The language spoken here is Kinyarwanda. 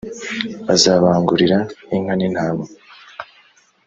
bazabangurira inka nintama.